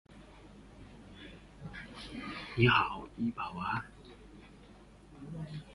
中国区市场部副总经理回应了李杰定下的目标